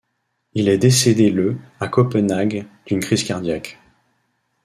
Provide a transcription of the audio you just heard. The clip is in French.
Il est décédé le à Copenhague d'une crise cardiaque.